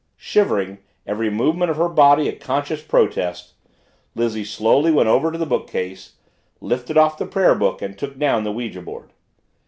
Shivering, every movement of her body a conscious protest, Lizzie slowly went over to the bookcase, lifted off the prayer book, and took down the ouija board.